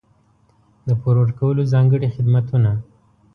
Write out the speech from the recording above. د پور ورکولو ځانګړي خدمتونه.